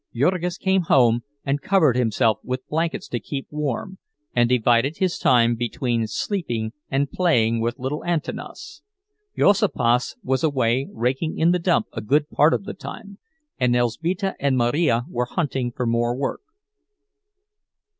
Jurgis came home and covered himself with blankets to keep warm, and divided his time between sleeping and playing with little Antanas. Juozapas was away raking in the dump a good part of the time, and Elzbieta and Marija were hunting for more work.